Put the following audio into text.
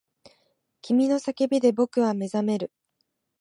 君の叫びで僕は目覚める